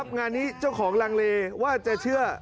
งานนี้เจ้าของลังเลว่าจะเชื่อ